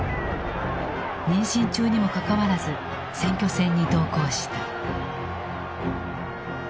妊娠中にもかかわらず選挙戦に同行した。